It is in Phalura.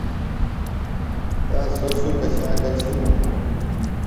تا سوۡ شُکہ شاکہ چِھنانوۡ۔